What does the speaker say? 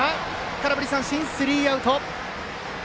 空振り三振でスリーアウト！